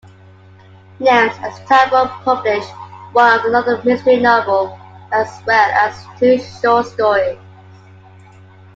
Nelms, as Talbot, published one other mystery novel as well as two short stories.